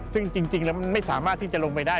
ซึ่งจริงแล้วมันไม่สามารถที่จะลงไปได้